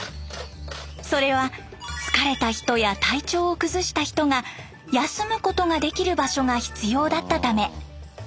それは疲れた人や体調を崩した人が休むことができる場所が必要だったため。